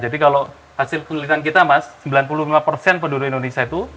jadi kalau hasil penulisan kita mas sembilan puluh lima penduduk indonesia itu